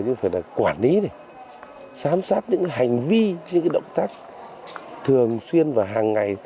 nhưng phải là quản lý giám sát những hành vi những động tác thường xuyên và hàng ngày